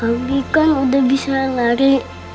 ambi kan udah bisa lari